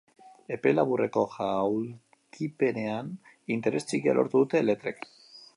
Epe laburreko jaulkipenean interes txikia lortu dute letrek.